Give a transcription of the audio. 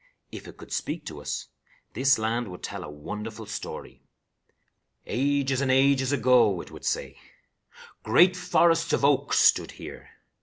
If it could speak to us, this land would tell a wonderful story. "Ages and ages ago," it would say, "great forests of oak stood here.